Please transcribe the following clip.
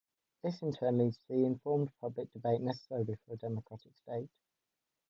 This, in turn, leads to the informed public debate necessary for a democratic state.